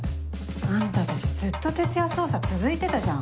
あんたたちずっと徹夜捜査続いてたじゃん。